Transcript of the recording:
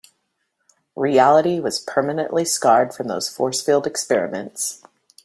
Reality was permanently scarred from those force field experiments.